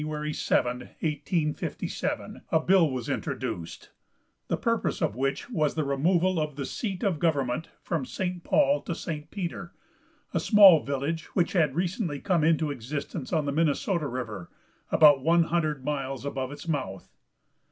7, 1857, a bill was introduced, the purpose of which was the removal of the seat of government from St. Paul to St. Peter, a small village which had recently come into existence on the Minnesota river about one hundred miles above its mouth.